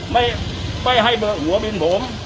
ไม่ให้หัวบินผม